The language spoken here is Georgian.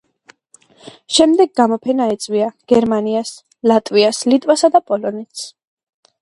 შემდეგ გამოფენა ეწვია გერმანიას, ლატვიას, ლიტვასა და პოლონეთს.